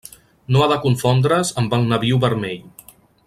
No ha de confondre's amb el nabiu vermell.